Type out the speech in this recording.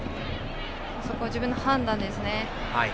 あそこは自分の判断ですね。